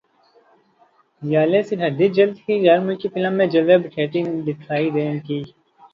ژالے سرحدی جلد ہی غیر ملکی فلم میں جلوے بکھیرتی دکھائی دیں گی